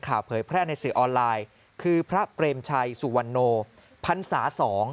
เผยแพร่ในสื่อออนไลน์คือพระเปรมชัยสุวรรณโนพันศา๒